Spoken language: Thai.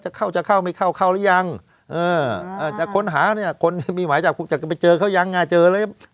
จะเข้าจะเข้าไม่เข้าเข้าหรือยังแต่คนหาเนี่ยคนมีหมายจากจะไปเจอเขายังไงเจอเลย